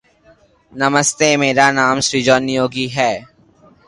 Nieuport Aces of World War One.